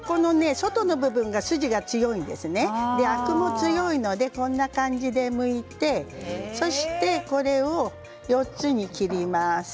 外の部分が筋もアクも強いのでこんな感じでむいてこれを４つに切ります。